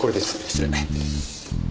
失礼。